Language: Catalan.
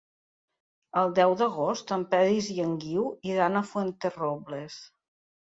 El deu d'agost en Peris i en Guiu iran a Fuenterrobles.